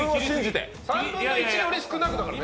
３分の１より少なくだからね。